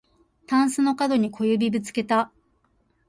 たんすのかどに小指ぶつけた